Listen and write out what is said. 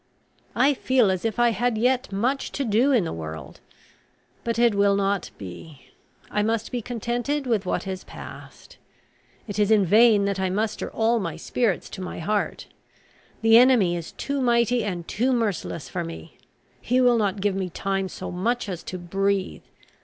"I feel as if I had yet much to do in the world; but it will not be. I must be contented with what is past. It is in vain that I muster all my spirits to my heart. The enemy is too mighty and too merciless for me; he will not give me time so much as to breathe.